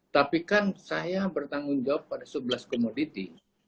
tapi kan saya bertanggung jawab pada sebelas komoditi